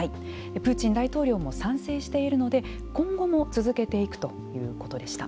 プーチン大統領も賛成しているので今後も続けていくということでした。